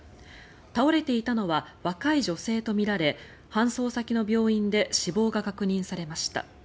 倒れていたのは若い女性とみられ搬送先の病院で死亡が確認されました。